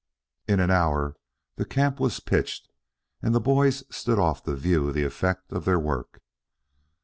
In an hour the camp was pitched and the boys stood off to view the effect of their work.